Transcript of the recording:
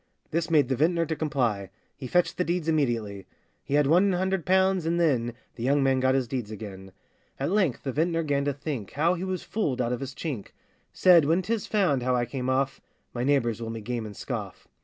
This made the vintner to comply,— He fetched the deeds immediately; He had one hundred pounds, and then The young man got his deeds again. At length the vintner 'gan to think How he was fooled out of his chink; Said, 'When 'tis found how I came off, My neighbours will me game and scoff.